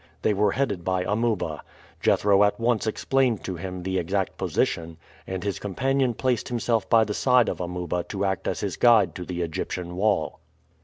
They were headed by Amuba. Jethro at once explained to him the exact position; and his companion placed himself by the side of Amuba to act as his guide to the Egyptian wall.